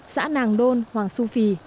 xã nàng đôn hoàng su phi